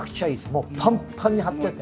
もうパンパンに張ってて。